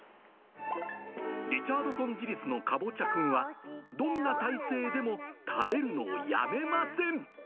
リチャードソンジリスのかぼちゃくんは、どんな体勢でも食べるのをやめません。